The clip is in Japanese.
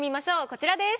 こちらです。